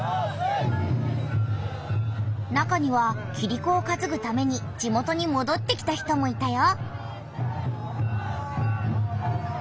中にはキリコをかつぐために地元にもどってきた人もいたよ。